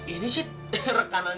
ini sih rekanannya bisa